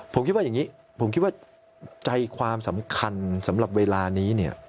ผมคิดว่าอย่างนี้ผมคิดว่าใจความสำคัญสำหรับเวลานี้เนี่ย